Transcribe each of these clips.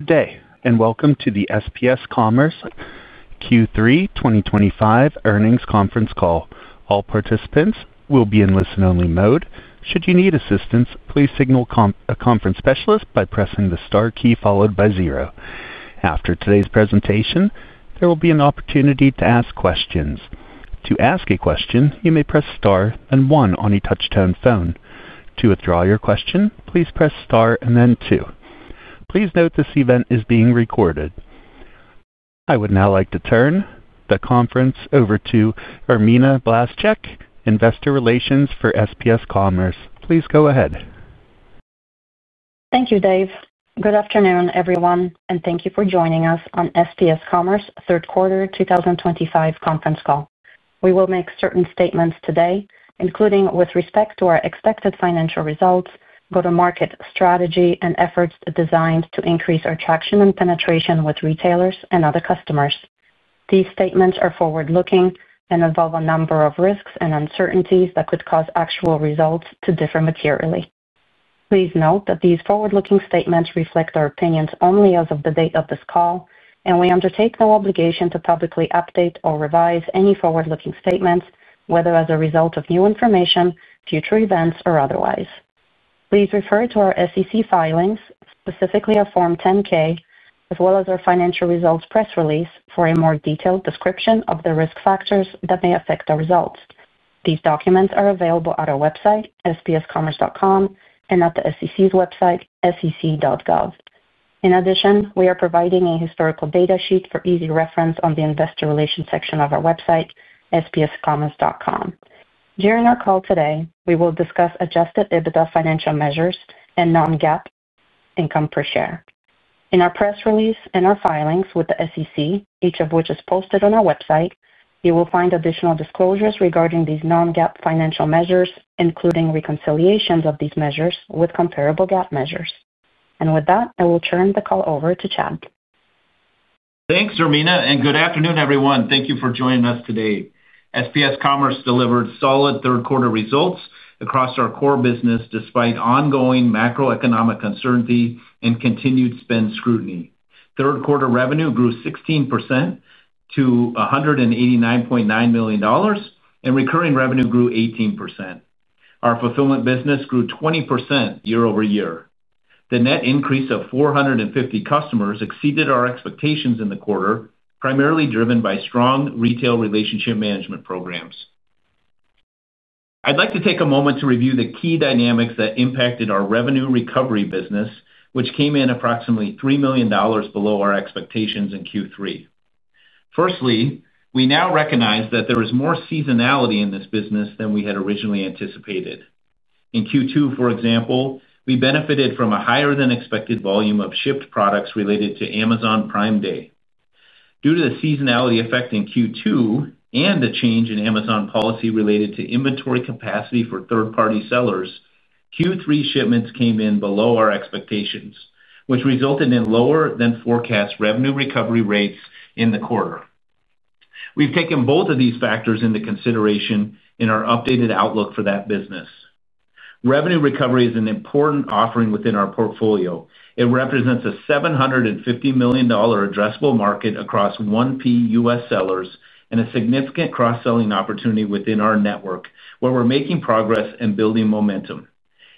Good day, and welcome to the SPS Commerce Q3 2025 earnings conference call. All participants will be in listen-only mode. Should you need assistance, please signal a conference specialist by pressing the star key followed by zero. After today's presentation, there will be an opportunity to ask questions. To ask a question, you may press star and one on a touch-tone phone. To withdraw your question, please press star and then two. Please note this event is being recorded. I would now like to turn the conference over to Irmina Blaszczyk, Investor Relations for SPS Commerce. Please go ahead. Thank you, Dave. Good afternoon, everyone, and thank you for joining us on SPS Commerce Third Quarter 2025 conference call. We will make certain statements today, including with respect to our expected financial results, go-to-market strategy, and efforts designed to increase our traction and penetration with retailers and other customers. These statements are forward-looking and involve a number of risks and uncertainties that could cause actual results to differ materially. Please note that these forward-looking statements reflect our opinions only as of the date of this call, and we undertake no obligation to publicly update or revise any forward-looking statements, whether as a result of new information, future events, or otherwise. Please refer to our SEC filings, specifically our Form 10-K, as well as our financial results press release for a more detailed description of the risk factors that may affect our results. These documents are available at our website, spscommerce.com, and at the SEC's website, sec.gov. In addition, we are providing a historical data sheet for easy reference on the Investor Relations section of our website, spscommerce.com. During our call today, we will discuss adjusted EBITDA financial measures and non-GAAP income per share. In our press release and our filings with the SEC, each of which is posted on our website, you will find additional disclosures regarding these non-GAAP financial measures, including reconciliations of these measures with comparable GAAP measures. With that, I will turn the call over to Chad. Thanks, Irmina, and good afternoon, everyone. Thank you for joining us today. SPS Commerce delivered solid third-quarter results across our core business despite ongoing macroeconomic uncertainty and continued spend scrutiny. Third-quarter revenue grew 16% to $189.9 million, and recurring revenue grew 18%. Our fulfillment business grew 20% year-over-year. The net increase of 450 customers exceeded our expectations in the quarter, primarily driven by strong retail relationship management programs. I'd like to take a moment to review the key dynamics that impacted our revenue recovery business, which came in approximately $3 million below our expectations in Q3. Firstly, we now recognize that there is more seasonality in this business than we had originally anticipated. In Q2, for example, we benefited from a higher-than-expected volume of shipped products related to Amazon Prime Day. Due to the seasonality effect in Q2 and the change in Amazon policy related to inventory capacity for third-party sellers, Q3 shipments came in below our expectations, which resulted in lower-than-forecast revenue recovery rates in the quarter. We've taken both of these factors into consideration in our updated outlook for that business. Revenue recovery is an important offering within our portfolio. It represents a $750 million addressable market across 1P U.S. sellers and a significant cross-selling opportunity within our network, where we're making progress and building momentum.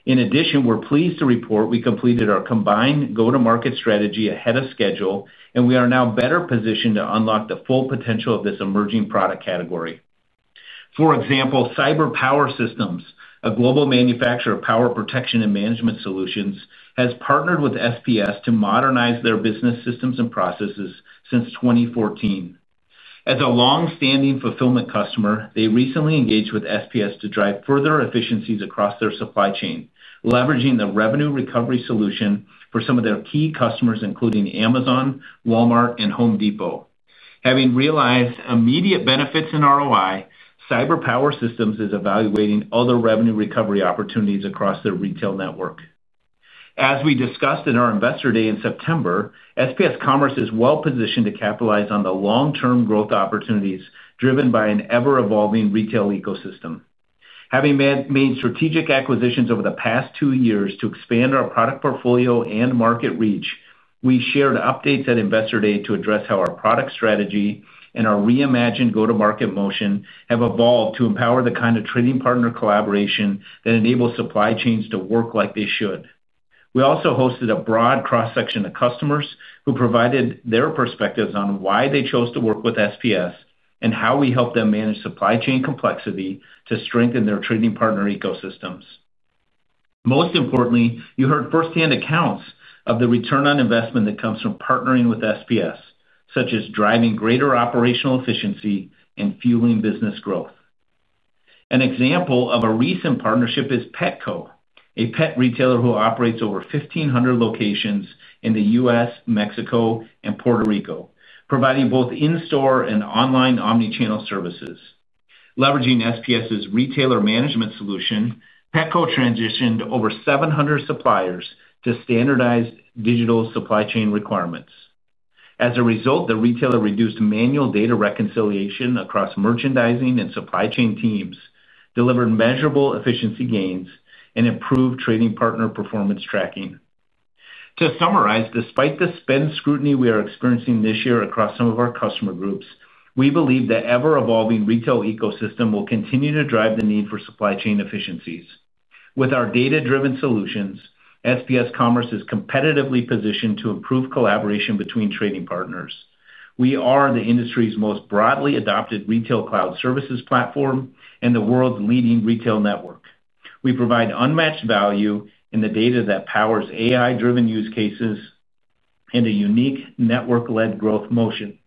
In addition, we're pleased to report we completed our combined go-to-market strategy ahead of schedule, and we are now better positioned to unlock the full potential of this emerging product category. For example, CyberPower Systems, a global manufacturer of power protection and management solutions, has partnered with SPS Commerce to modernize their business systems and processes since 2014. As a longstanding fulfillment customer, they recently engaged with SPS Commerce to drive further efficiencies across their supply chain, leveraging the revenue recovery solution for some of their key customers, including Amazon, Walmart, and Home Depot. Having realized immediate benefits in ROI, CyberPower Systems is evaluating other revenue recovery opportunities across their retail network. As we discussed in our Investor Day in September, SPS Commerce is well-positioned to capitalize on the long-term growth opportunities driven by an ever-evolving retail ecosystem. Having made strategic acquisitions over the past two years to expand our product portfolio and market reach, we shared updates at Investor Day to address how our product strategy and our reimagined go-to-market motion have evolved to empower the kind of trading partner collaboration that enables supply chains to work like they should. We also hosted a broad cross-section of customers who provided their perspectives on why they chose to work with SPS Commerce and how we helped them manage supply chain complexity to strengthen their trading partner ecosystems. Most importantly, you heard firsthand accounts of the return on investment that comes from partnering with SPS Commerce, such as driving greater operational efficiency and fueling business growth. An example of a recent partnership is Petco, a pet retailer who operates over 1,500 locations in the U.S., Mexico, and Puerto Rico, providing both in-store and online omnichannel services. Leveraging SPS Commerce's retailer management solution, Petco transitioned over 700 suppliers to standardized digital supply chain requirements. As a result, the retailer reduced manual data reconciliation across merchandising and supply chain teams, delivered measurable efficiency gains, and improved trading partner performance tracking. To summarize, despite the spend scrutiny we are experiencing this year across some of our customer groups, we believe the ever-evolving retail ecosystem will continue to drive the need for supply chain efficiencies. With our data-driven solutions, SPS Commerce is competitively positioned to improve collaboration between trading partners. We are the industry's most broadly adopted retail cloud services platform and the world's leading retail network. We provide unmatched value in the data that powers AI-driven use cases and a unique network-led growth motion.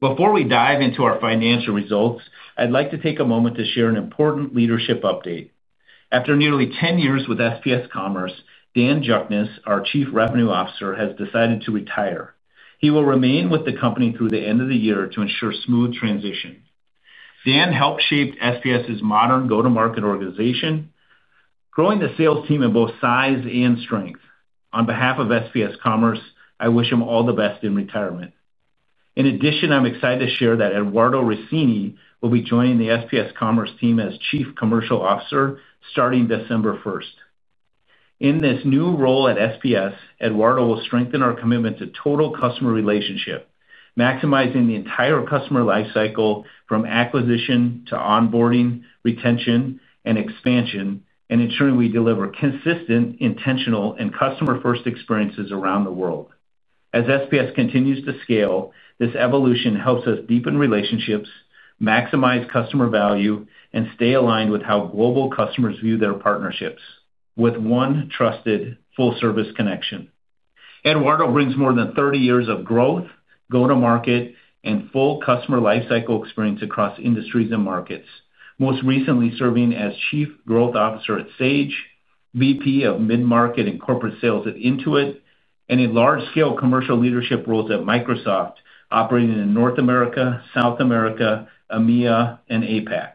Before we dive into our financial results, I'd like to take a moment to share an important leadership update. After nearly 10 years with SPS Commerce, Dan Juckniess, our Chief Revenue Officer, has decided to retire. He will remain with the company through the end of the year to ensure a smooth transition. Dan helped shape SPS Commerce's modern go-to-market organization, growing the sales team in both size and strength. On behalf of SPS Commerce, I wish him all the best in retirement. In addition, I'm excited to share that Eduardo Rossini will be joining the SPS Commerce team as Chief Commercial Officer starting December 1st. In this new role at SPS Commerce, Eduardo will strengthen our commitment to total customer relationship, maximizing the entire customer lifecycle from acquisition to onboarding, retention, and expansion, and ensuring we deliver consistent, intentional, and customer-first experiences around the world. As SPS Commerce continues to scale, this evolution helps us deepen relationships, maximize customer value, and stay aligned with how global customers view their partnerships with one trusted full-service connection. Eduardo brings more than 30 years of growth, go-to-market, and full customer lifecycle experience across industries and markets, most recently serving as Chief Growth Officer at Sage, VP of Mid-Market and Corporate Sales at Intuit, and in large-scale commercial leadership roles at Microsoft, operating in North America, South America, EMEA, and APAC.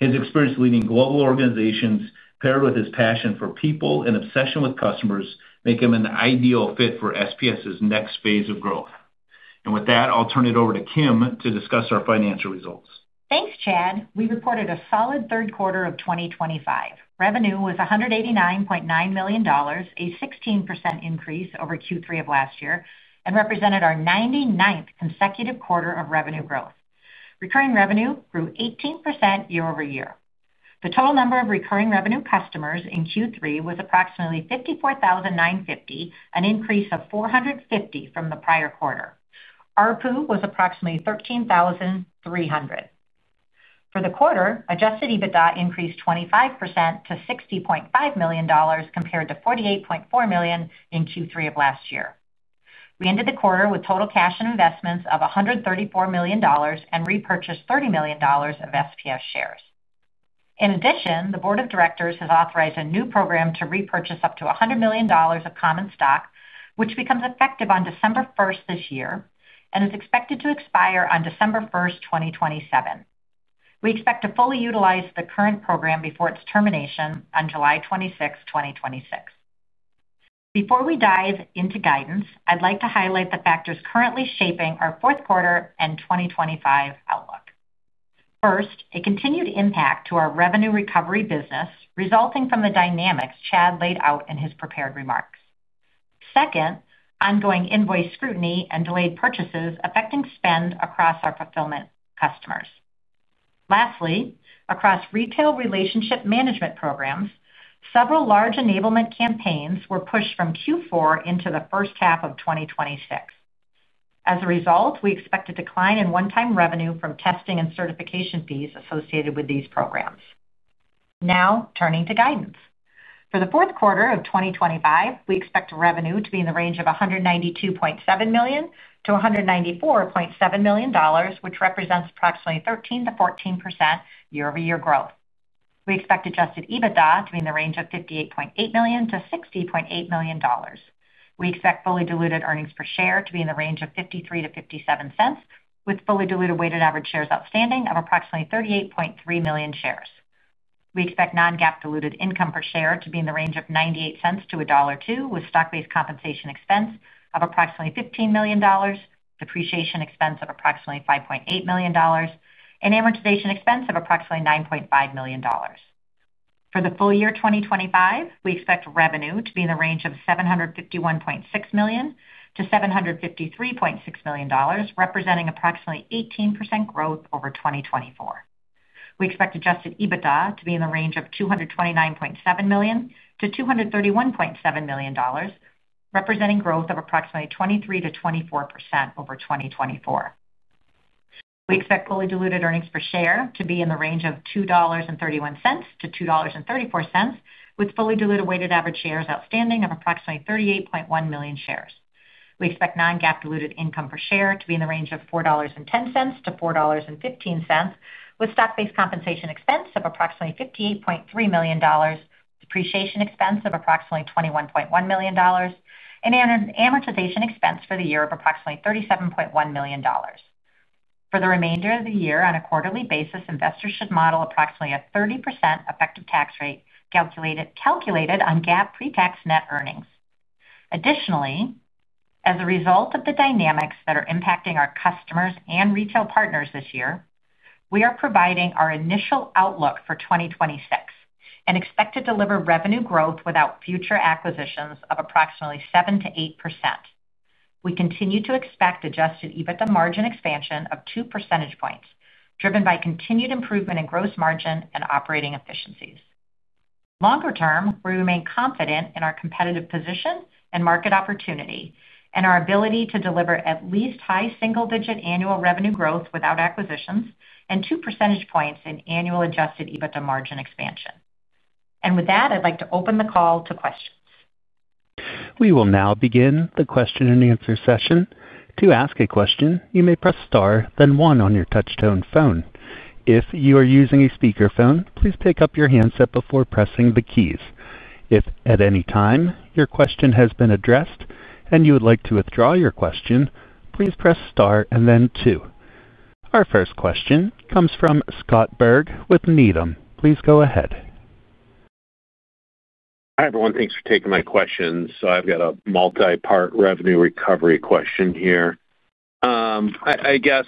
His experience leading global organizations, paired with his passion for people and obsession with customers, make him an ideal fit for SPS Commerce's next phase of growth. I'll turn it over to Kim to discuss our financial results. Thanks, Chad. We reported a solid third quarter of 2025. Revenue was $189.9 million, a 16% increase over Q3 of last year, and represented our 99th consecutive quarter of revenue growth. Recurring revenue grew 18% year-over-year. The total number of recurring revenue customers in Q3 was approximately 54,950, an increase of 450 from the prior quarter. ARPU was approximately $13,300. For the quarter, adjusted EBITDA increased 25% to $60.5 million compared to $48.4 million in Q3 of last year. We ended the quarter with total cash and investments of $134 million and repurchased $30 million of SPS Commerce shares. In addition, the Board of Directors has authorized a new program to repurchase up to $100 million of common stock, which becomes effective on December 1, 2025, and is expected to expire on December 1, 2027. We expect to fully utilize the current program before its termination on July 26, 2026. Before we dive into guidance, I'd like to highlight the factors currently shaping our fourth quarter and 2025 outlook. First, a continued impact to our revenue recovery business resulting from the dynamics Chad laid out in his prepared remarks. Second, ongoing invoice scrutiny and delayed purchases affecting spend across our fulfillment customers. Lastly, across retail relationship management programs, several large enablement campaigns were pushed from Q4 into the first half of 2026. As a result, we expect a decline in one-time revenue from testing and certification fees associated with these programs. Now, turning to guidance. For the fourth quarter of 2025, we expect revenue to be in the range of $192.7 million-$194.7 million, which represents approximately 13%-14% year-over-year growth. We expect adjusted EBITDA to be in the range of $58.8 million-$60.8 million. We expect fully diluted earnings per share to be in the range of $0.53-$0.57, with fully diluted weighted average shares outstanding of approximately 38.3 million shares. We expect non-GAAP diluted income per share to be in the range of $0.98-$1.02, with stock-based compensation expense of approximately $15 million, depreciation expense of approximately $5.8 million, and amortization expense of approximately $9.5 million. For the full year 2025, we expect revenue to be in the range of $751.6 million-$753.6 million, representing approximately 18% growth over 2024. We expect adjusted EBITDA to be in the range of $229.7 million-$231.7 million. Representing growth of approximately 23%-24% over 2024. We expect fully diluted earnings per share to be in the range of $2.31-$2.34, with fully diluted weighted average shares outstanding of approximately 38.1 million shares. We expect non-GAAP diluted income per share to be in the range of $4.10-$4.15, with stock-based compensation expense of approximately $58.3 million, depreciation expense of approximately $21.1 million, and amortization expense for the year of approximately $37.1 million. For the remainder of the year, on a quarterly basis, investors should model approximately a 30% effective tax rate calculated on GAAP pre-tax net earnings. Additionally, as a result of the dynamics that are impacting our customers and retail partners this year, we are providing our initial outlook for 2026 and expect to deliver revenue growth without future acquisitions of approximately 7%-8%. We continue to expect adjusted EBITDA margin expansion of 2 percentage points, driven by continued improvement in gross margin and operating efficiencies. Longer term, we remain confident in our competitive position and market opportunity and our ability to deliver at least high single-digit annual revenue growth without acquisitions and 2 percentage points in annual adjusted EBITDA margin expansion. I'd like to open the call to questions. We will now begin the question-and-answer session. To ask a question, you may press star, then one on your touchtone phone. If you are using a speakerphone, please pick up your handset before pressing the keys. If at any time your question has been addressed and you would like to withdraw your question, please press star and then two. Our first question comes from Scott Berg with Needham. Please go ahead. Hi, everyone. Thanks for taking my questions. I've got a multi-part revenue recovery question here. I guess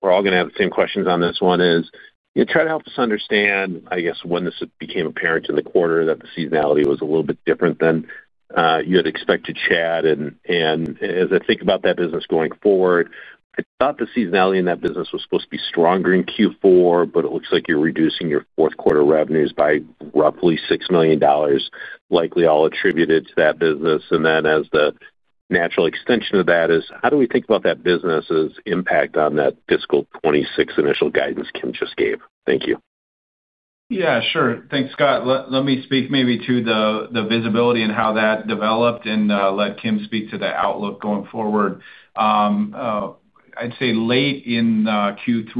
we're all going to have the same questions on this one. Try to help us understand when this became apparent in the quarter that the seasonality was a little bit different than you had expected, Chad. As I think about that business going forward, I thought the seasonality in that business was supposed to be stronger in Q4, but it looks like you're reducing your fourth quarter revenues by roughly $6 million, likely all attributed to that business. As the natural extension of that, how do we think about that business's impact on that fiscal 2026 initial guidance Kim just gave? Thank you. Yeah, sure. Thanks, Scott. Let me speak maybe to the visibility and how that developed and let Kim speak to the outlook going forward. I'd say late in Q3,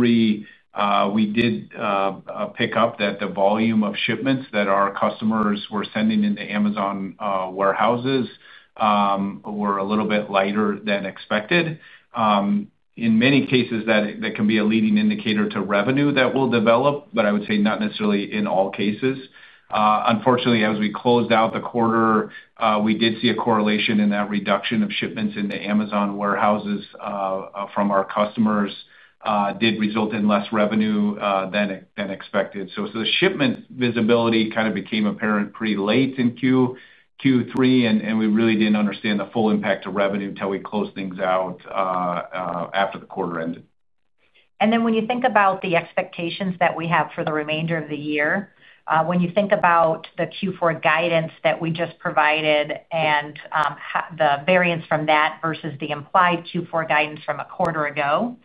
we did pick up that the volume of shipments that our customers were sending into Amazon warehouses were a little bit lighter than expected. In many cases, that can be a leading indicator to revenue that will develop, but I would say not necessarily in all cases. Unfortunately, as we closed out the quarter, we did see a correlation in that reduction of shipments into Amazon warehouses from our customers did result in less revenue than expected. The shipment visibility kind of became apparent pretty late in Q3, and we really didn't understand the full impact of revenue until we closed things out after the quarter ended. When you think about the expectations that we have for the remainder of the year, when you think about the Q4 guidance that we just provided and the variance from that versus the implied Q4 guidance from a quarter ago,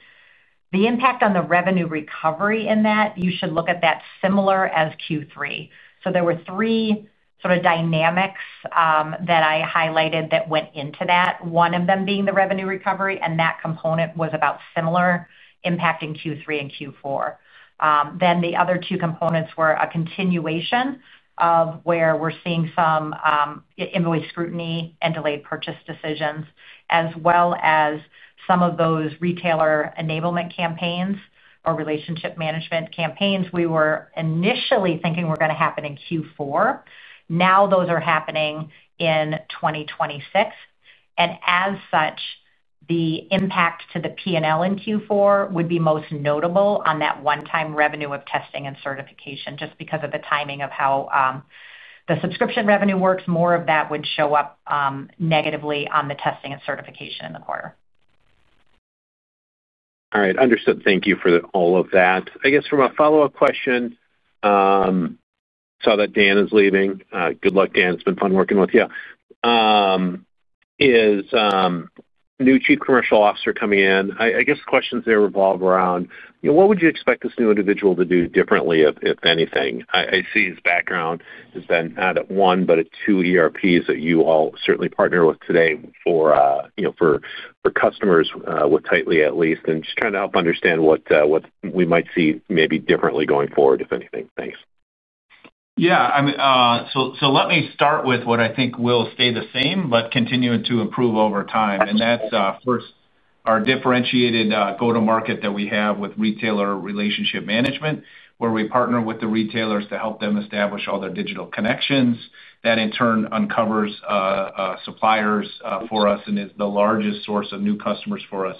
the impact on the revenue recovery in that, you should look at that similar as Q3. There were three sort of dynamics that I highlighted that went into that, one of them being the revenue recovery, and that component was about similar impacting Q3 and Q4. The other two components were a continuation of where we're seeing some invoice scrutiny and delayed purchase decisions, as well as some of those retailer enablement campaigns or relationship management campaigns we were initially thinking were going to happen in Q4. Now those are happening in 2026. As such, the impact to the P&L in Q4 would be most notable on that one-time revenue of testing and certification, just because of the timing of how the subscription revenue works. More of that would show up negatively on the testing and certification in the quarter. All right. Understood. Thank you for all of that. I guess from a follow-up question, saw that Dan is leaving. Good luck, Dan. It's been fun working with you. New Chief Commercial Officer coming in. I guess the questions there revolve around what would you expect this new individual to do differently, if anything? I see his background has been not at one, but at two ERPs that you all certainly partner with today for customers with tightly, at least, and just trying to help understand what we might see maybe differently going forward, if anything. Thanks. Let me start with what I think will stay the same, but continue to improve over time. That's first, our differentiated go-to-market that we have with retailer relationship management, where we partner with the retailers to help them establish all their digital connections. That, in turn, uncovers suppliers for us and is the largest source of new customers for us.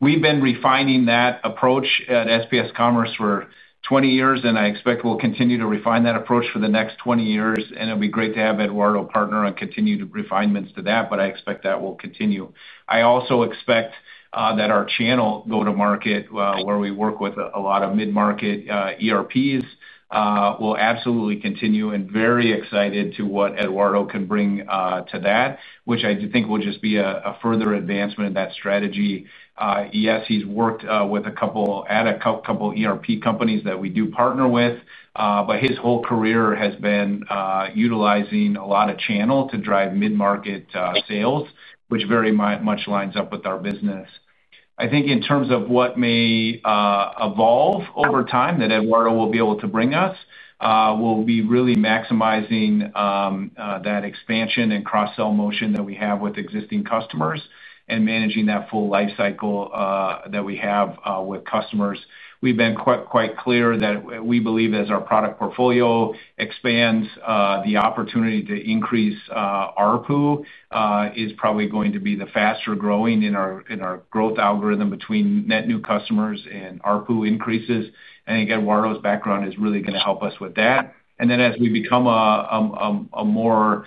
We've been refining that approach at SPS Commerce for 20 years, and I expect we'll continue to refine that approach for the next 20 years. It'll be great to have Eduardo partner and continue to refine things to that, but I expect that will continue. I also expect that our channel go-to-market, where we work with a lot of mid-market ERPs, will absolutely continue. I'm very excited to what Eduardo can bring to that, which I think will just be a further advancement in that strategy. Yes, he's worked with a couple of ERP companies that we do partner with, but his whole career has been utilizing a lot of channel to drive mid-market sales, which very much lines up with our business. I think in terms of what may evolve over time that Eduardo will be able to bring us, we'll be really maximizing that expansion and cross-sell motion that we have with existing customers and managing that full lifecycle that we have with customers. We've been quite clear that we believe as our product portfolio expands, the opportunity to increase ARPU is probably going to be the faster growing in our growth algorithm between net new customers and ARPU increases. Again, Eduardo's background is really going to help us with that. As we become a more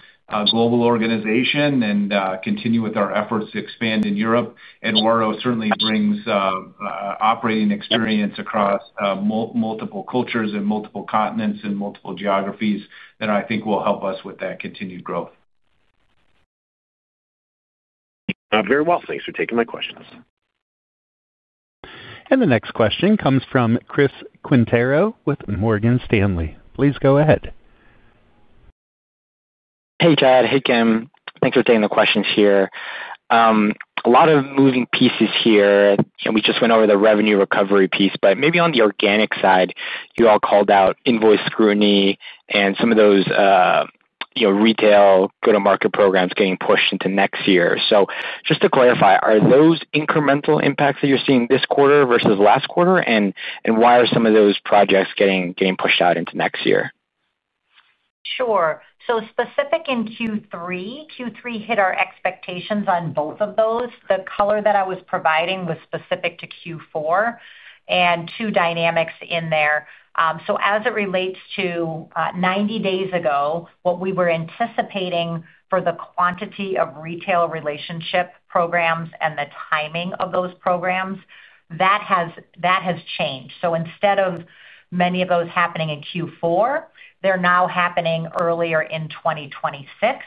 global organization and continue with our efforts to expand in Europe, Eduardo certainly brings operating experience across multiple cultures and multiple continents and multiple geographies that I think will help us with that continued growth. Very well, thanks for taking my questions. The next question comes from Chris Quintero with Morgan Stanley. Please go ahead. Hey, Chad. Hey, Kim. Thanks for taking the questions here. A lot of moving pieces here. We just went over the revenue recovery piece, but maybe on the organic side, you all called out invoice scrutiny and some of those retail go-to-market programs getting pushed into next year. Just to clarify, are those incremental impacts that you're seeing this quarter versus last quarter? Why are some of those projects getting pushed out into next year? Sure. Specific in Q3, Q3 hit our expectations on both of those. The color that I was providing was specific to Q4. Two dynamics in there. As it relates to 90 days ago, what we were anticipating for the quantity of retail relationship programs and the timing of those programs, that has changed. Instead of many of those happening in Q4, they're now happening earlier in 2026.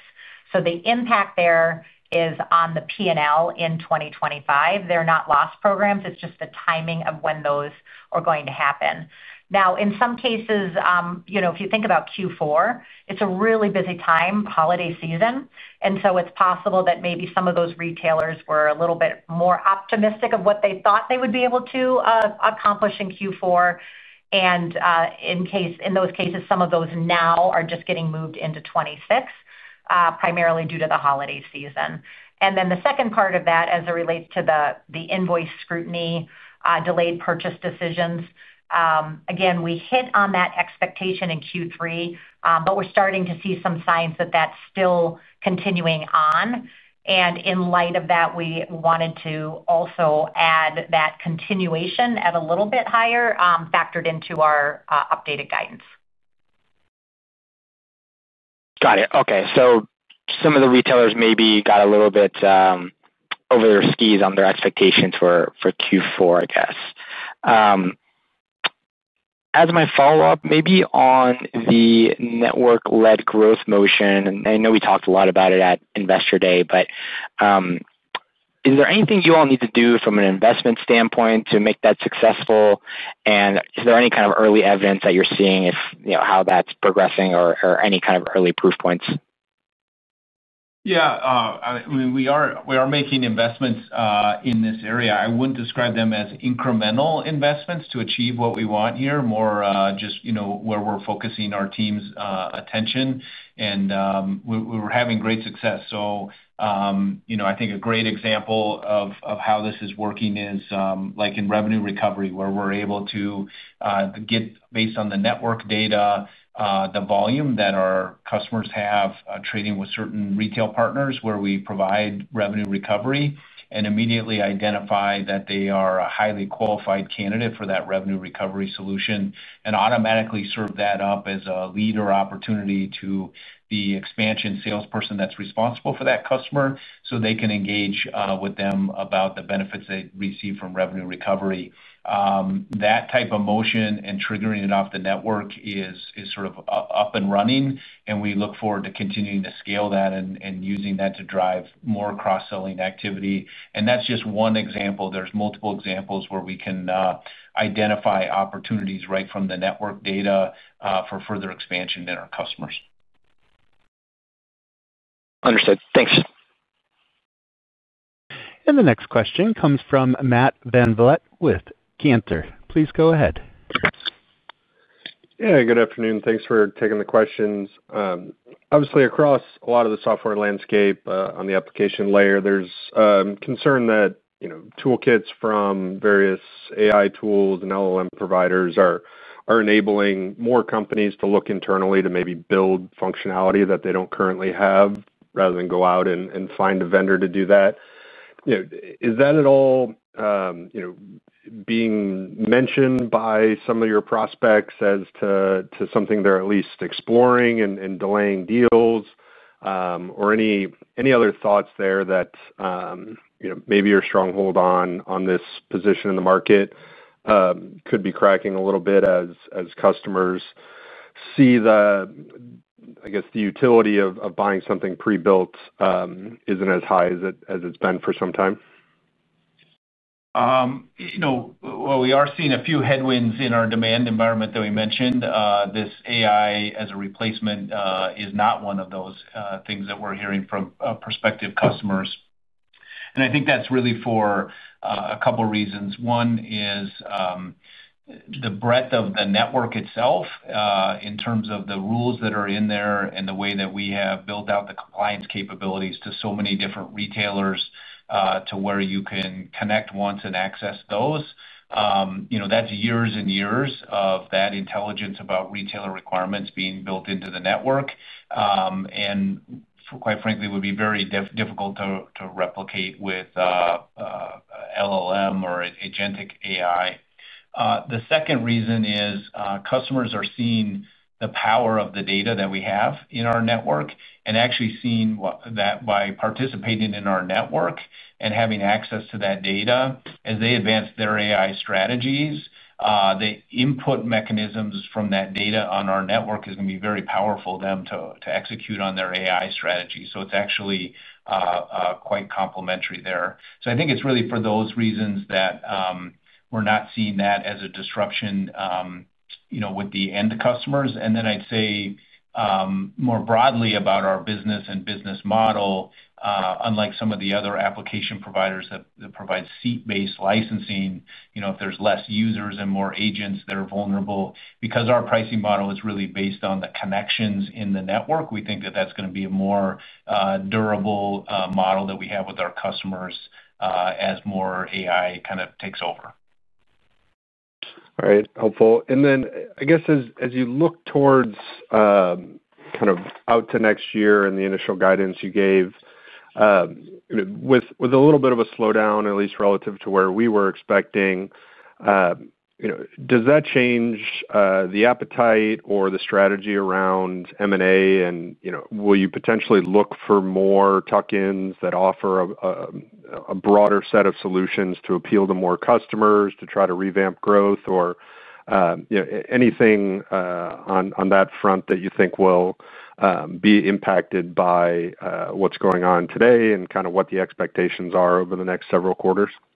The impact there is on the P&L in 2025. They're not lost programs. It's just the timing of when those are going to happen. In some cases, if you think about Q4, it's a really busy time, holiday season. It's possible that maybe some of those retailers were a little bit more optimistic of what they thought they would be able to accomplish in Q4. In those cases, some of those now are just getting moved into 2026, primarily due to the holiday season. The second part of that, as it relates to the invoice scrutiny, delayed purchase decisions. Again, we hit on that expectation in Q3, but we're starting to see some signs that that's still continuing on. In light of that, we wanted to also add that continuation at a little bit higher factored into our updated guidance. Got it. Okay. Some of the retailers maybe got a little bit over their skis on their expectations for Q4, I guess. As my follow-up, maybe on the network-led growth motion, and I know we talked a lot about it at Investor Day, but is there anything you all need to do from an investment standpoint to make that successful? Is there any kind of early evidence that you're seeing how that's progressing or any kind of early proof points? Yeah. I mean, we are making investments in this area. I wouldn't describe them as incremental investments to achieve what we want here, more just where we're focusing our team's attention. We are having great success. I think a great example of how this is working is in revenue recovery, where we're able to get, based on the network data, the volume that our customers have trading with certain retail partners where we provide revenue recovery and immediately identify that they are a highly qualified candidate for that revenue recovery solution and automatically serve that up as a leader opportunity to the expansion salesperson that's responsible for that customer so they can engage with them about the benefits they receive from revenue recovery. That type of motion and triggering it off the network is sort of up and running, and we look forward to continuing to scale that and using that to drive more cross-selling activity. That's just one example. There are multiple examples where we can identify opportunities right from the network data for further expansion in our customers. Understood. Thanks. The next question comes from Matt VanVliet with Cantor. Please go ahead. Good afternoon. Thanks for taking the questions. Obviously, across a lot of the software landscape on the application layer, there's concern that toolkits from various AI tools and LLM providers are enabling more companies to look internally to maybe build functionality that they don't currently have rather than go out and find a vendor to do that. Is that at all being mentioned by some of your prospects as to something they're at least exploring and delaying deals? Any other thoughts there that maybe your stronghold on this position in the market could be cracking a little bit as customers see the utility of buying something pre-built isn't as high as it's been for some time? We are seeing a few headwinds in our demand environment that we mentioned. This AI as a replacement is not one of those things that we're hearing from prospective customers. I think that's really for a couple of reasons. One is the breadth of the network itself in terms of the rules that are in there and the way that we have built out the compliance capabilities to so many different retailers to where you can connect once and access those. That's years and years of that intelligence about retailer requirements being built into the network. Quite frankly, it would be very difficult to replicate with LLM or agentic AI. The second reason is customers are seeing the power of the data that we have in our network and actually seeing that by participating in our network and having access to that data as they advance their AI strategies, the input mechanisms from that data on our network is going to be very powerful for them to execute on their AI strategy. It's actually quite complementary there. I think it's really for those reasons that we're not seeing that as a disruption with the end customers. I'd say more broadly about our business and business model, unlike some of the other application providers that provide seat-based licensing, if there's less users and more agents, they're vulnerable. Because our pricing model is really based on the connections in the network, we think that that's going to be a more durable model that we have with our customers as more AI kind of takes over. All right. Helpful. As you look towards kind of out to next year and the initial guidance you gave, with a little bit of a slowdown, at least relative to where we were expecting, does that change the appetite or the strategy around M&A? Will you potentially look for more tuck-ins that offer a broader set of solutions to appeal to more customers to try to revamp growth or anything on that front that you think will be impacted by what's going on today and kind of what the expectations are over the next several quarters? Yeah.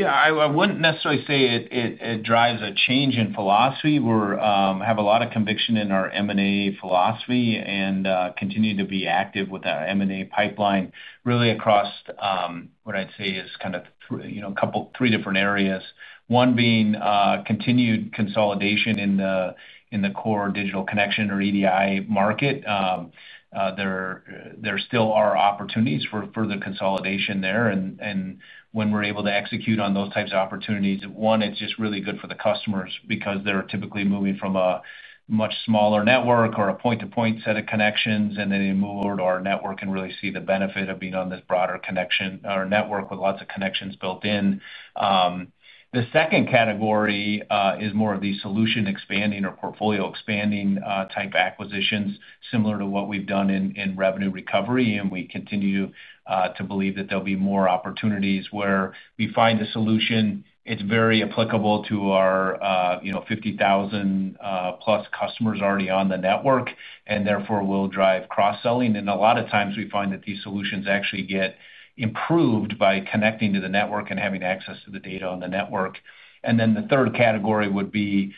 I wouldn't necessarily say it drives a change in philosophy. We have a lot of conviction in our M&A philosophy and continue to be active with our M&A pipeline really across what I'd say is kind of three different areas. One being continued consolidation in the core EDI market. There still are opportunities for further consolidation there. When we're able to execute on those types of opportunities, it's just really good for the customers because they're typically moving from a much smaller network or a point-to-point set of connections, and then they move over to our network and really see the benefit of being on this broader network with lots of connections built in. The second category is more of these solution-expanding or portfolio-expanding type acquisitions, similar to what we've done in revenue recovery. We continue to believe that there'll be more opportunities where we find a solution that's very applicable to our 50,000+ customers already on the network, and therefore will drive cross-selling. A lot of times we find that these solutions actually get improved by connecting to the network and having access to the data on the network. The third category would be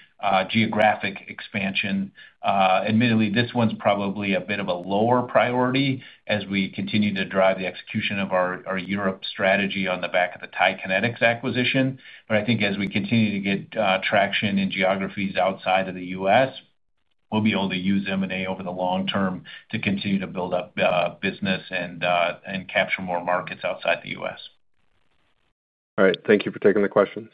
geographic expansion. Admittedly, this one's probably a bit of a lower priority as we continue to drive the execution of our Europe strategy on the back of the TIE Kinetix acquisition. I think as we continue to get traction in geographies outside of the U.S., we'll be able to use M&A over the long term to continue to build up business and capture more markets outside the U.S. All right, thank you for taking the questions.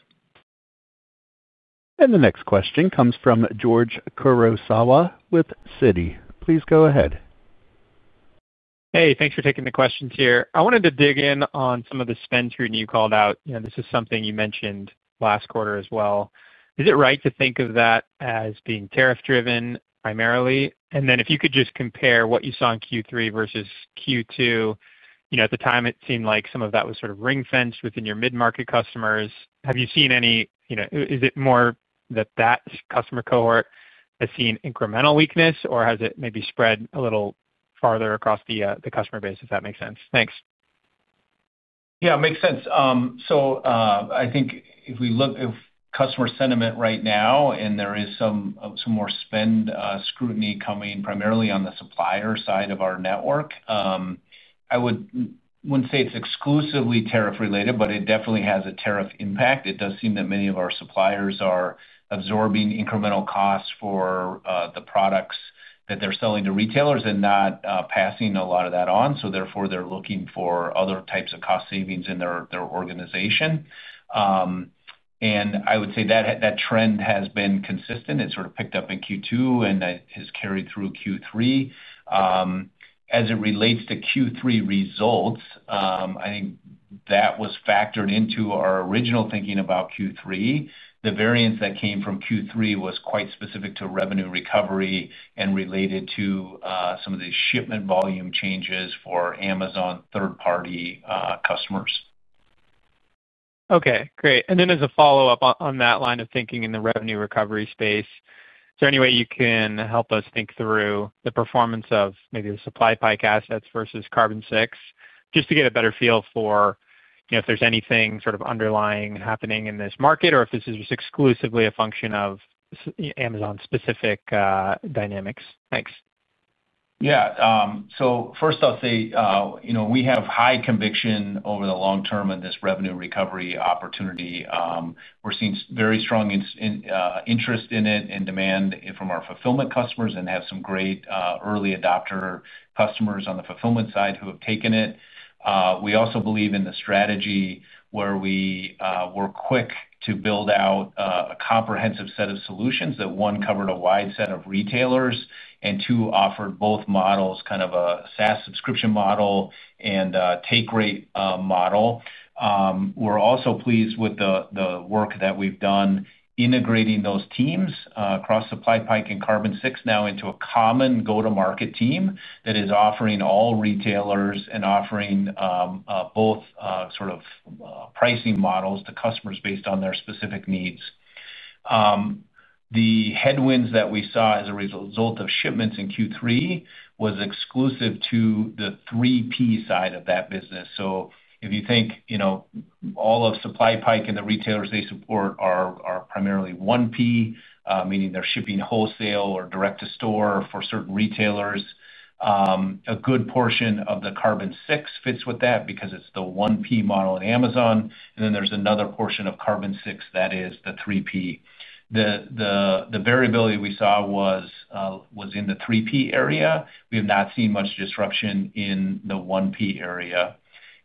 The next question comes from George Kurosawa with Citi. Please go ahead. Hey, thanks for taking the questions here. I wanted to dig in on some of the spend screen you called out. This is something you mentioned last quarter as well. Is it right to think of that as being tariff-driven primarily? If you could just compare what you saw in Q3 versus Q2, at the time it seemed like some of that was sort of ring-fenced within your mid-market customers. Have you seen any? Is it more that that customer cohort has seen incremental weakness, or has it maybe spread a little farther across the customer base, if that makes sense? Thanks. Yeah, makes sense. I think if we look at customer sentiment right now, there is some more spend scrutiny coming primarily on the supplier side of our network. I wouldn't say it's exclusively tariff-related, but it definitely has a tariff impact. It does seem that many of our suppliers are absorbing incremental costs for the products that they're selling to retailers and not passing a lot of that on. Therefore, they're looking for other types of cost savings in their organization. I would say that trend has been consistent. It sort of picked up in Q2 and has carried through Q3. As it relates to Q3 results, I think that was factored into our original thinking about Q3. The variance that came from Q3 was quite specific to revenue recovery and related to some of the shipment volume changes for Amazon third-party customers. Okay. Great. As a follow-up on that line of thinking in the revenue recovery space, is there any way you can help us think through the performance of maybe the SupplyPike assets versus Carbon6 just to get a better feel for if there's anything sort of underlying happening in this market or if this is exclusively a function of Amazon-specific dynamics? Thanks. Yeah. First, I'll say we have high conviction over the long term in this revenue recovery opportunity. We're seeing very strong interest in it and demand from our fulfillment customers and have some great early adopter customers on the fulfillment side who have taken it. We also believe in the strategy where we were quick to build out a comprehensive set of solutions that, one, covered a wide set of retailers, and two, offered both models, kind of a SaaS subscription model and take-rate model. We're also pleased with the work that we've done integrating those teams across SupplyPike and Carbon6 now into a common go-to-market team that is offering all retailers and offering both sort of pricing models to customers based on their specific needs. The headwinds that we saw as a result of shipments in Q3 was exclusive to the 3P side of that business. If you think, all of SupplyPike and the retailers they support are primarily 1P, meaning they're shipping wholesale or direct-to-store for certain retailers. A good portion of the Carbon6 fits with that because it's the 1P model in Amazon, and then there's another portion of Carbon6 that is the 3P. The variability we saw was in the 3P area. We have not seen much disruption in the 1P area.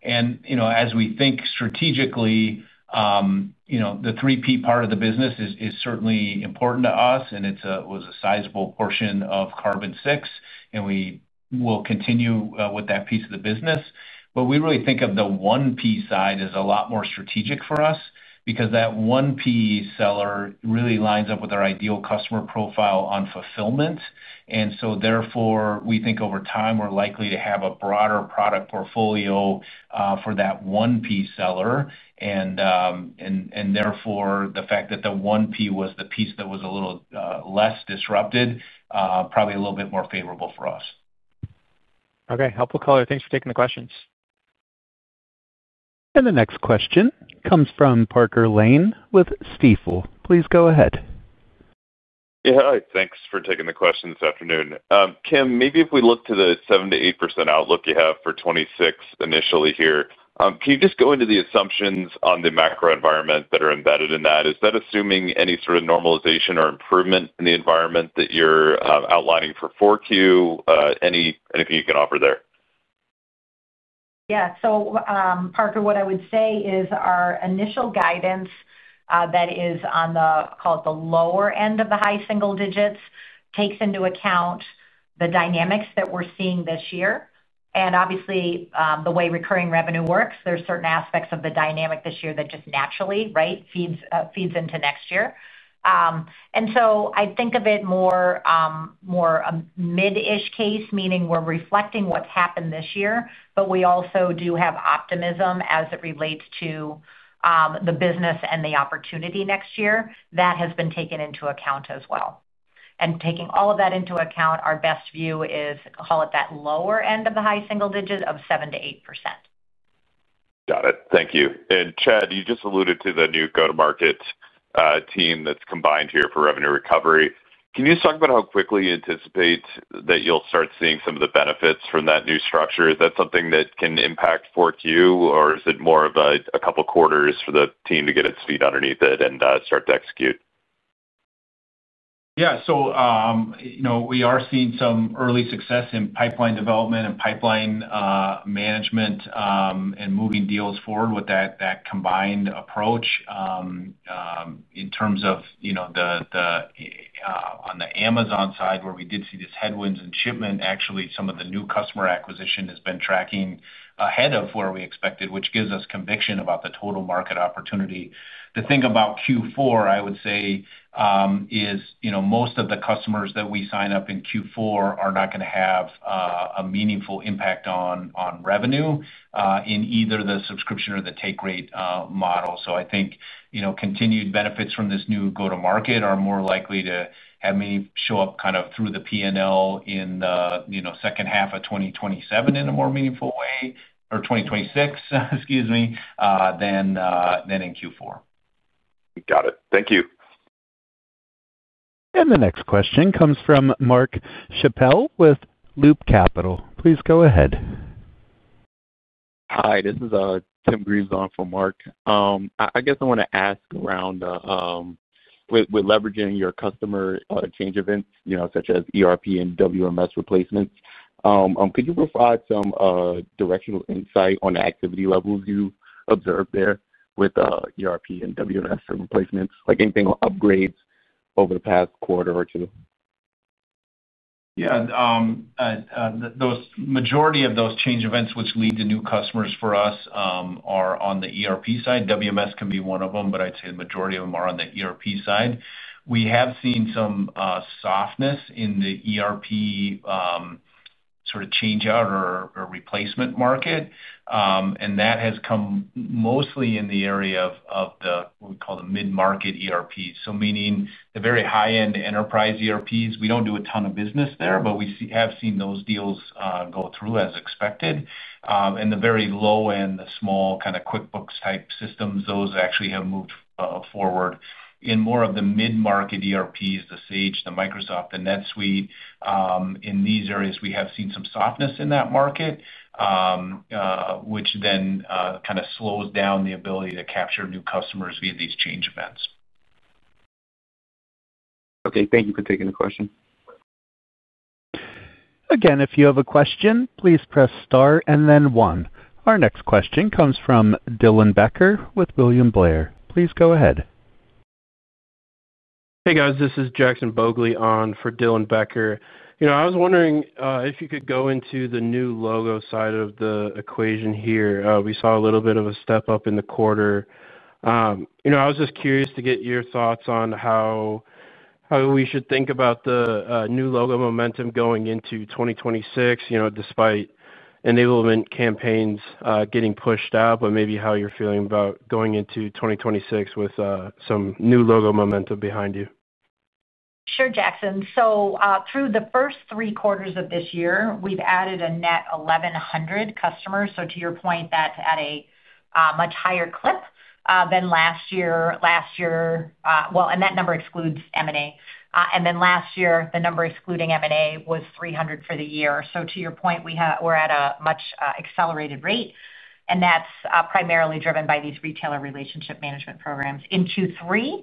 As we think strategically, the 3P part of the business is certainly important to us, and it was a sizable portion of Carbon6, and we will continue with that piece of the business. We really think of the 1P side as a lot more strategic for us because that 1P seller really lines up with our ideal customer profile on fulfillment. Therefore, we think over time we're likely to have a broader product portfolio for that 1P seller. The fact that the 1P was the piece that was a little less disrupted is probably a little bit more favorable for us. Okay. Helpful color. Thanks for taking the questions. The next question comes from Parker Lane with Stifel. Please go ahead. Hi. Thanks for taking the question this afternoon. Kim, maybe if we look to the 7%-8% outlook you have for 2026 initially here, can you just go into the assumptions on the macro environment that are embedded in that? Is that assuming any sort of normalization or improvement in the environment that you're outlining for Q4? Anything you can offer there? Yeah. Parker, what I would say is our initial guidance that is on the, call it the lower end of the high single digits, takes into account the dynamics that we're seeing this year. Obviously, the way recurring revenue works, there's certain aspects of the dynamic this year that just naturally, right, feeds into next year. I think of it more a mid-ish case, meaning we're reflecting what's happened this year, but we also do have optimism as it relates to the business and the opportunity next year. That has been taken into account as well. Taking all of that into account, our best view is, call it that lower end of the high single digit of 7%-8%. Got it. Thank you. Chad, you just alluded to the new go-to-market team that's combined here for revenue recovery. Can you just talk about how quickly you anticipate that you'll start seeing some of the benefits from that new structure? Is that something that can impact 4Q, or is it more of a couple of quarters for the team to get its feet underneath it and start to execute? We are seeing some early success in pipeline development and pipeline management, and moving deals forward with that combined approach. In terms of the Amazon side where we did see this headwind in shipment, actually, some of the new customer acquisition has been tracking ahead of where we expected, which gives us conviction about the total market opportunity. The thing about Q4, I would say, is most of the customers that we sign up in Q4 are not going to have a meaningful impact on revenue in either the subscription or the take-rate model. I think continued benefits from this new go-to-market are more likely to have me show up kind of through the P&L in the second half of 2027 in a more meaningful way, or 2026, excuse me, than in Q4. Got it. Thank you. The next question comes from Mark Schappel with Loop Capital. Please go ahead. Hi, this is Tim Greaves on for Mark. I guess I want to ask around, with leveraging your customer change events such as ERP and WMS replacements, could you provide some directional insight on the activity levels you observed there with ERP and WMS replacements? Anything on upgrades over the past quarter or two? Yeah. Majority of those change events which lead to new customers for us are on the ERP side. WMS can be one of them, but I'd say the majority of them are on the ERP side. We have seen some softness in the ERP sort of change-out or replacement market, and that has come mostly in the area of what we call the mid-market ERPs. Meaning the very high-end enterprise ERPs, we don't do a ton of business there, but we have seen those deals go through as expected. The very low-end, the small kind of QuickBooks-type systems, those actually have moved forward. In more of the mid-market ERPs, the Sage, the Microsoft, the NetSuite, in these areas, we have seen some softness in that market, which then kind of slows down the ability to capture new customers via these change events. Okay, thank you for taking the question. Again, if you have a question, please press star and then one. Our next question comes from Dylan Becker with William Blair. Please go ahead. Hey, guys. This is Jackson Bogli on for Dylan Becker. I was wondering if you could go into the new logo side of the equation here. We saw a little bit of a step up in the quarter. I was just curious to get your thoughts on how we should think about the new logo momentum going into 2026, despite enablement campaigns getting pushed out, but maybe how you're feeling about going into 2026 with some new logo momentum behind you. Sure, Jackson. Through the first three quarters of this year, we've added a net 1,100 customers. To your point, that's at a much higher clip than last year. That number excludes M&A. Last year, the number excluding M&A was 300 for the year. To your point, we're at a much accelerated rate, and that's primarily driven by these retailer relationship management programs. In Q3,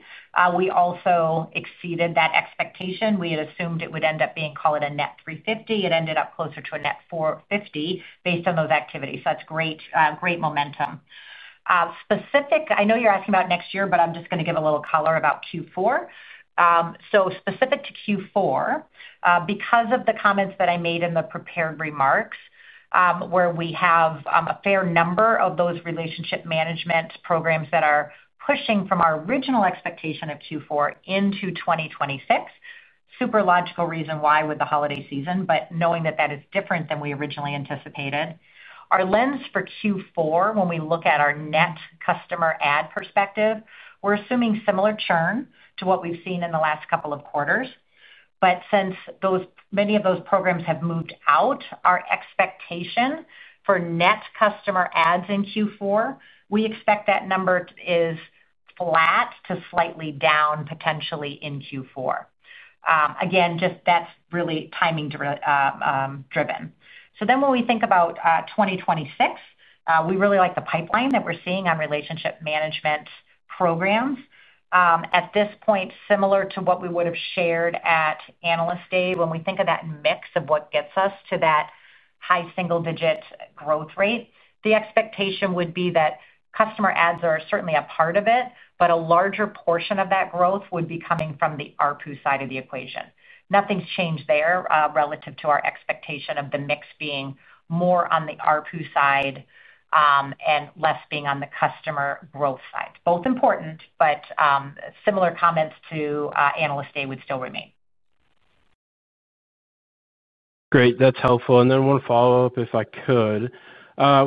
we also exceeded that expectation. We had assumed it would end up being, call it a net 350. It ended up closer to a net 450 based on those activities. That's great momentum. I know you're asking about next year, but I'm just going to give a little color about Q4. Specific to Q4, because of the comments that I made in the prepared remarks, we have a fair number of those relationship management programs that are pushing from our original expectation of Q4 into 2026. Super logical reason why with the holiday season, but knowing that that is different than we originally anticipated. Our lens for Q4, when we look at our net customer add perspective, we're assuming similar churn to what we've seen in the last couple of quarters. Since many of those programs have moved out, our expectation for net customer adds in Q4, we expect that number is flat to slightly down potentially in Q4. That's really timing-driven. When we think about 2026, we really like the pipeline that we're seeing on relationship management programs. At this point, similar to what we would have shared at analyst day, when we think of that mix of what gets us to that high single-digit growth rate, the expectation would be that customer adds are certainly a part of it, but a larger portion of that growth would be coming from the ARPU side of the equation. Nothing's changed there relative to our expectation of the mix being more on the ARPU side and less being on the customer growth side. Both important, but similar comments to analyst day would still remain. Great. That's helpful. I want to follow up if I could.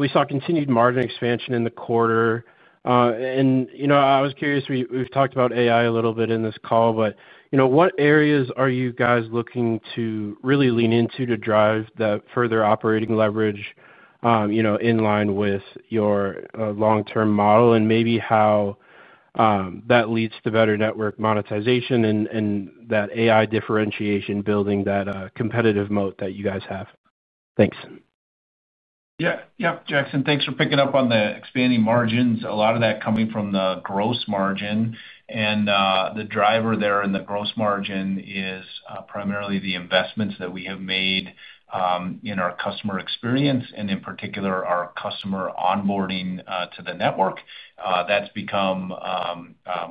We saw continued margin expansion in the quarter. I was curious, we've talked about AI a little bit in this call, but what areas are you guys looking to really lean into to drive that further operating leverage, in line with your long-term model, and maybe how that leads to better network monetization and that AI differentiation building that competitive moat that you guys have? Thanks. Yeah. Jackson, thanks for picking up on the expanding margins. A lot of that coming from the gross margin. The driver there in the gross margin is primarily the investments that we have made in our customer experience and in particular our customer onboarding to the network. That's become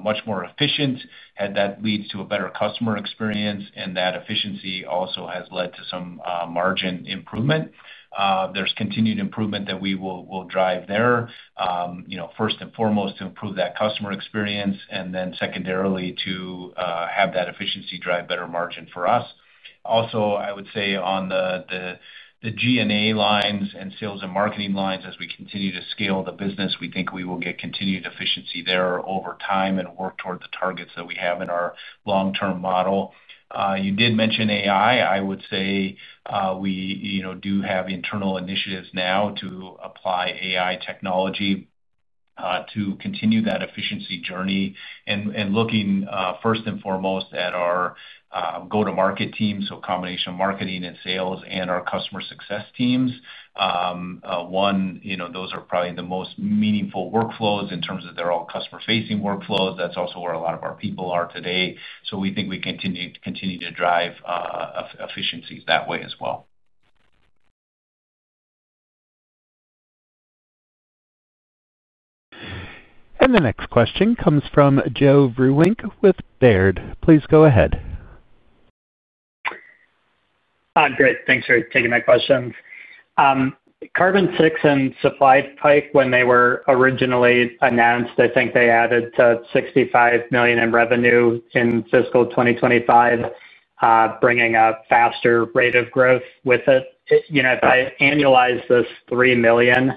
much more efficient, and that leads to a better customer experience, and that efficiency also has led to some margin improvement. There's continued improvement that we will drive there, first and foremost to improve that customer experience, and then secondarily to have that efficiency drive better margin for us. Also, I would say on the G&A lines and sales and marketing lines, as we continue to scale the business, we think we will get continued efficiency there over time and work toward the targets that we have in our long-term model. You did mention AI. I would say we do have internal initiatives now to apply AI technology to continue that efficiency journey and looking first and foremost at our go-to-market team, so combination of marketing and sales and our customer success teams. One, those are probably the most meaningful workflows in terms of they're all customer-facing workflows. That's also where a lot of our people are today. We think we continue to drive efficiencies that way as well. The next question comes from Joe Vruwink with Baird. Please go ahead. Hi, Greg. Thanks for taking my question. Carbon6 and SupplyPike, when they were originally announced, I think they added to $65 million in revenue in fiscal 2025, bringing a faster rate of growth with it. If I annualize this $3 million,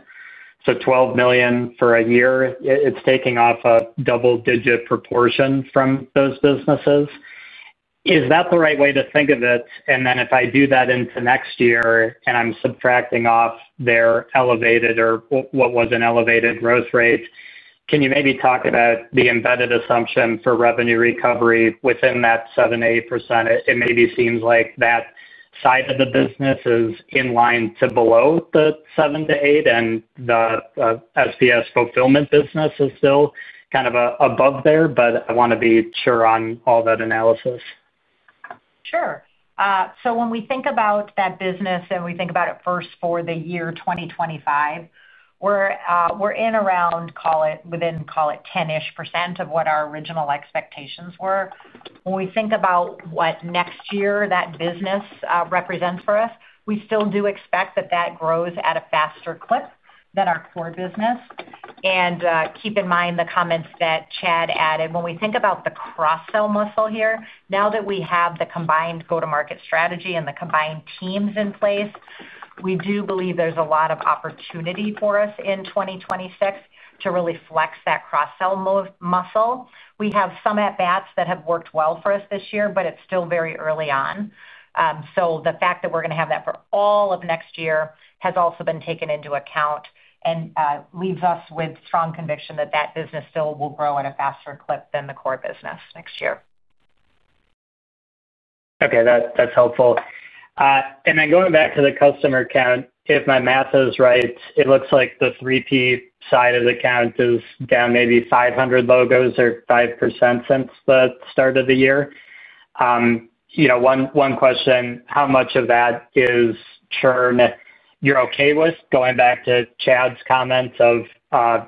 so $12 million for a year, it's taking off a double-digit proportion from those businesses. Is that the right way to think of it? If I do that into next year and I'm subtracting off their elevated or what was an elevated growth rate, can you maybe talk about the embedded assumption for revenue recovery within that 7%-8%? It maybe seems like that side of the business is in line to below the 7%-8%, and the SPS Commerce fulfillment business is still kind of above there, but I want to be sure on all that analysis. Sure. When we think about that business and we think about it first for the year 2025, we're in around, call it, within, call it, 10% of what our original expectations were. When we think about what next year that business represents for us, we still do expect that it grows at a faster clip than our core business. Keep in mind the comments that Chad added. When we think about the cross-sell muscle here, now that we have the combined go-to-market strategy and the combined teams in place, we do believe there's a lot of opportunity for us in 2026 to really flex that cross-sell muscle. We have some at-bats that have worked well for us this year, but it's still very early on. The fact that we're going to have that for all of next year has also been taken into account and leaves us with strong conviction that that business still will grow at a faster clip than the core business next year. Okay. That's helpful. Going back to the customer account, if my math is right, it looks like the 3P side of the account is down maybe 500 logos or 5% since the start of the year. One question, how much of that is churn you're okay with? Going back to Chad's comments,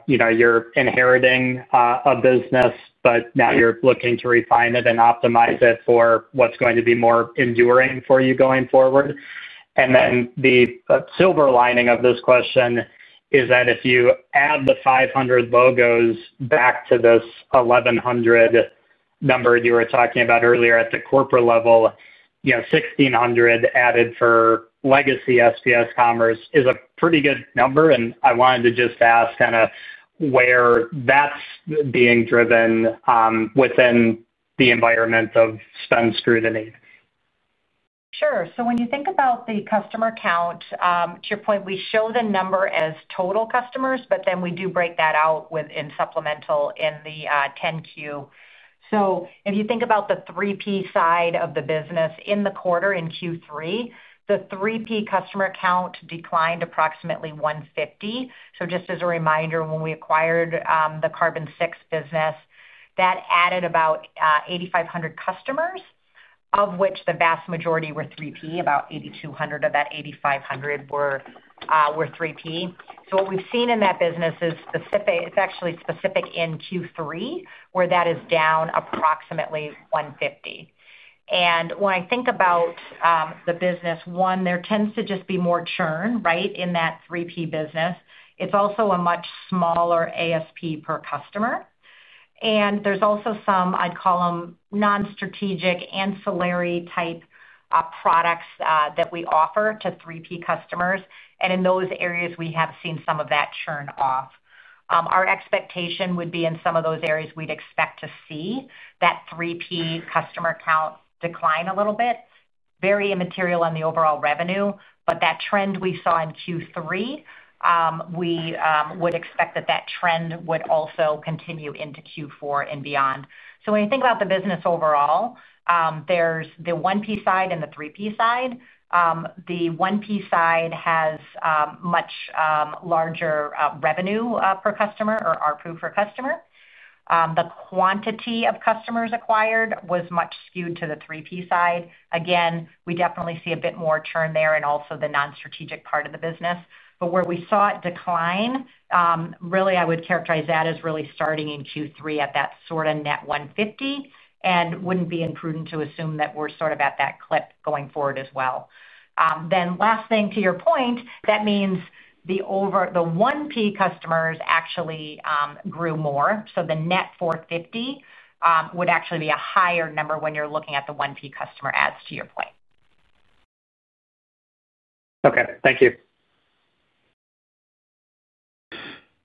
you're inheriting a business, but now you're looking to refine it and optimize it for what's going to be more enduring for you going forward. The silver lining of this question is that if you add the 500 logos back to this 1,100 number you were talking about earlier at the corporate level, 1,600 added for legacy SPS Commerce is a pretty good number. I wanted to just ask kind of where that's being driven within the environment of spend scrutiny. Sure. When you think about the customer count, to your point, we show the number as total customers, but then we do break that out in supplemental in the 10-Q. If you think about the 3P side of the business in the quarter in Q3, the 3P customer count declined approximately 150. Just as a reminder, when we acquired the Carbon6 business, that added about 8,500 customers, of which the vast majority were 3P. About 8,200 of that 8,500 were 3P. What we've seen in that business is it's actually specific in Q3 where that is down approximately 150. When I think about the business, one, there tends to just be more churn in that 3P business. It's also a much smaller ASP per customer. There's also some, I'd call them, non-strategic ancillary-type products that we offer to 3P customers. In those areas, we have seen some of that churn off. Our expectation would be in some of those areas, we'd expect to see that 3P customer count decline a little bit. Very immaterial on the overall revenue, but that trend we saw in Q3. We would expect that trend would also continue into Q4 and beyond. When you think about the business overall, there's the 1P side and the 3P side. The 1P side has much larger revenue per customer or ARPU per customer. The quantity of customers acquired was much skewed to the 3P side. Again, we definitely see a bit more churn there and also the non-strategic part of the business. Where we saw it decline, really, I would characterize that as really starting in Q3 at that sort of net 150 and wouldn't be imprudent to assume that we're at that clip going forward as well. Last thing, to your point, that means the 1P customers actually grew more. The net 450 would actually be a higher number when you're looking at the 1P customer adds, to your point. Okay, thank you.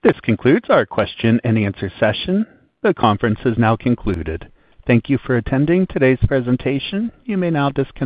This concludes our question-and-answer session. The conference is now concluded. Thank you for attending today's presentation. You may now disconnect.